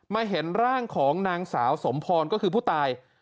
เห็นร่างของนางสาวสมพรก็คือผู้ตาย